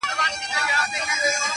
لمرینو وړانګو ته به نه ځلیږي.!